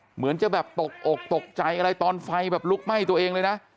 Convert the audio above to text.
เหมือนจะแบบตกอกตกใจอะไรตอนไฟแบบลุกไหม้ตัวเองเลยนะ